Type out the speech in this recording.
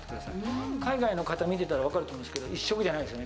海外の方見てたら分かると思うんですけど、１色じゃないですよね。